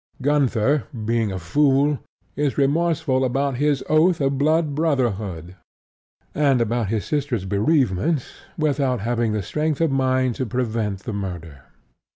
Gunther, being a fool, is remorseful about his oath of blood brotherhood and about his sister's bereavement, without having the strength of mind to prevent the murder.